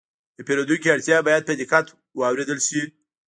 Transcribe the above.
د پیرودونکي اړتیا باید په دقت واورېدل شي.